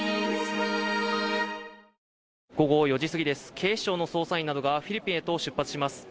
警視庁の捜査員などがフィリピンへと出発します。